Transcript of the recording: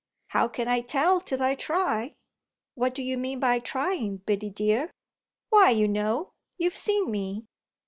"How can I tell till I try?" "What do you mean by trying, Biddy dear?" "Why you know you've seen me."